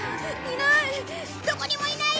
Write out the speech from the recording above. いない！